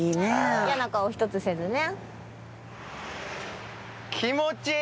やな顔一つせずね。